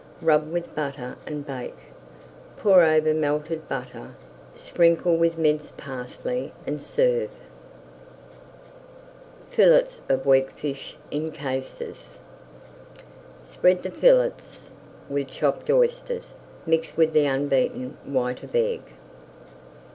Rub with butter and bake. Pour over melted butter, sprinkle with minced parsley, and serve. [Page 436] FILLETS OF WEAKFISH IN CASES Spread the fillets with chapped oysters mixed with the unbeaten white of egg.